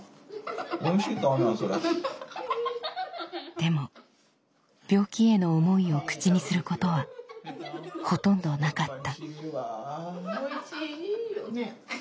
でも病気への思いを口にすることはほとんどなかった。